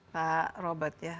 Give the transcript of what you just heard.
pak robert ya